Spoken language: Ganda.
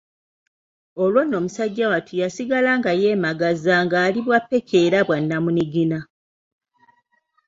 Olwo nno musajja wattu yasigala nga yeemagaza ng'ali bwa ppeke era bwa nnamunigina.